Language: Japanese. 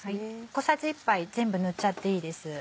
小さじ１杯全部塗っちゃっていいです。